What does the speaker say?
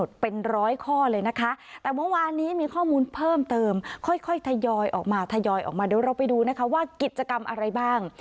เดี๋ยวเราไปดูว่ากิจกรรมอะไรบ้าง